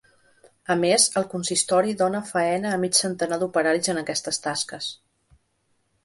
A més, el consistori dona faena a mig centenar d’operaris en aquestes tasques.